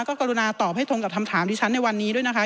ก็กรุณาตอบให้ตรงกับคำถามที่ฉันในวันนี้ด้วยนะคะ